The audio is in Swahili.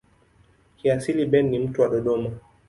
Kiasili Ben ni mtu wa Dodoma.